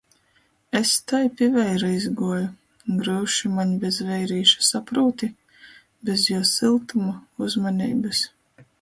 Es tai pi veira izguoju! Gryuši maņ bez veirīša, saprūti? Bez juo syltuma, uzmaneibys.